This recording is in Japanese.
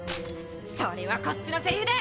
それはこっちの台詞だ！